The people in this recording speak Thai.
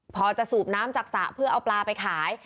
พอจะสูบน้ำจากสระเพื่อเอาปลาไปขาย